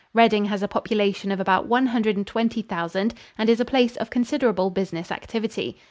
Reading has a population of about one hundred and twenty thousand and is a place of considerable business activity.